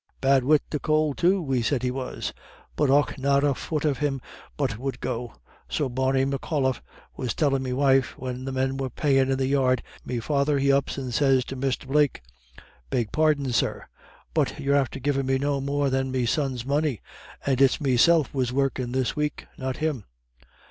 Bad wid the could too, we said he was; but och not a fut of him but would go. So Barney McAuliffe was tellin' me wife, when the men was payin' in the yard, me father he ups and says to Mr. Blake: "'Beg pardon, sir, but you're after givin' me no more than me son's money, and it's meself was workin' this week, not him.'